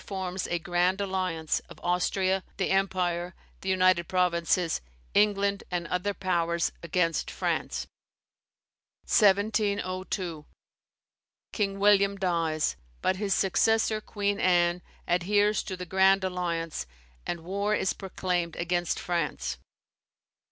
forms a "Grand Alliance" of Austria, the Empire, the United Provinces, England, and other powers, against France. 1702. King William dies; but his successor, Queen Anne, adheres to the Grand Alliance, and war is proclaimed against France.